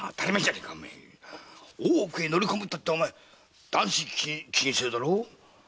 大奥へ乗り込むったって男子禁制だろ？